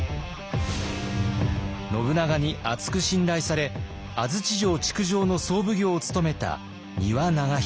信長に厚く信頼され安土城築城の総奉行を務めた丹羽長秀。